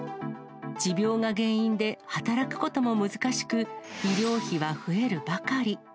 持病が原因で、働くことも難しく、医療費は増えるばかり。